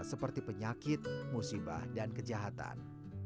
seperti penyakit musibah dan kejahatan